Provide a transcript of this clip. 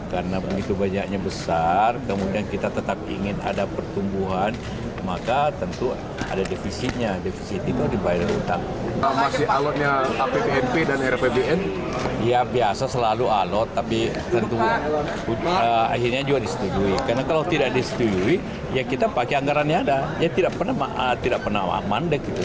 kita pakai anggarannya ada tidak pernah mandek